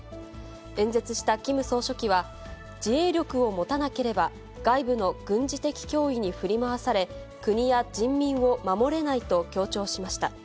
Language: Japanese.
演説したキム総書記は、自衛力を持たなければ、外部の軍事的脅威に振り回され、国や人民を守れないと強調しました。